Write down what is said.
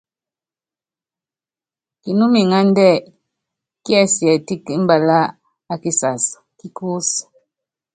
Kinúmiŋándɛ́ kiɛsiɛtɛ́k mbalá a kikas kí kúsí.